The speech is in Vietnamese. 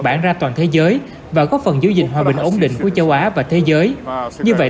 bản ra toàn thế giới và góp phần giữ gìn hòa bình ổn định của châu á và thế giới như vậy